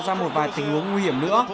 tạo ra một vài tình huống nguy hiểm nữa